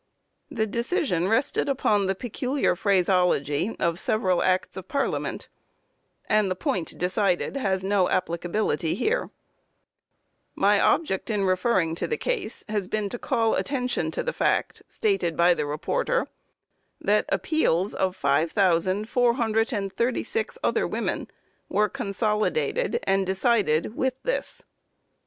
The decision rested upon the peculiar phraseology of several Acts of Parliament, and the point decided has no applicability here. My object in referring to the case has been to call attention to the fact stated by the reporter, that appeals of 5,436 other women were consolidated and decided with this.